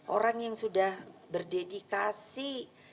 orang yang sudah berdedikasi